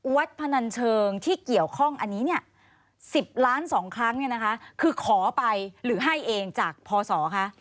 วัดพนันเชิงที่เกี่ยวข้องอันนี้๑๐ล้าน๒ครั้งคือขอไปหรือให้เองจากพศคะ